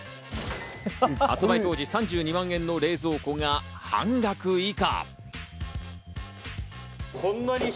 発売当時、３２万円の冷蔵庫が半額以下。